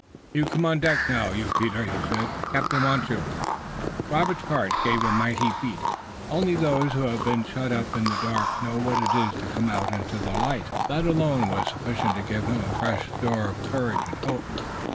"You come on deck now, you Peter," he said, "captain wants you." Robert's heart gave a mighty beat. Only those who have been shut up in the dark know what it is to come out into the light. That alone was sufficient to give him a fresh store of courage and hope.